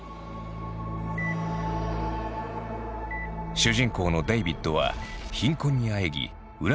主人公のデイビッドは貧困にあえぎ裏